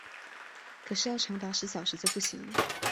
可是要长达十小时就不行了